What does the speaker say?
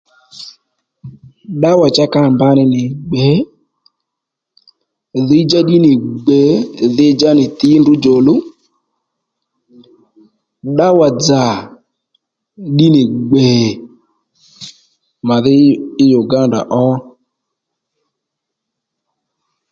Ddǎwà cha ka nì mbǎ nì gbè dhǐy-djá ddí nì gbè dhi-djá nì tǐ ndrǔ djòluw ddǎwà-dzà ddí nì gbè màdhí í Uganda ó